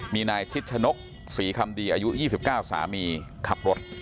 มีนายชิดชนกศรีคำดีอายุ๒๙สามีขับรถ